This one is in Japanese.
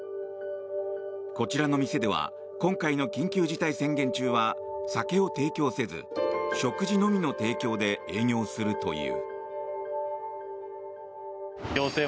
こちらの店では今回の緊急事態宣言中は酒を提供せず、食事のみの提供で営業するという。